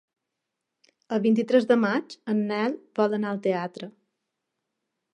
El vint-i-tres de maig en Nel vol anar al teatre.